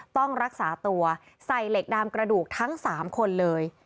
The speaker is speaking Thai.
ต้องรักษาตัวใส่เหล็กดามกระดูกทั้ง๓คนเลย